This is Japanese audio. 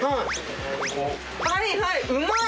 はいはいうまい！